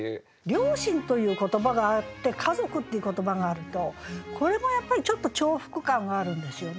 「両親」という言葉があって「家族」っていう言葉があるとこれもやっぱりちょっと重複感があるんですよね。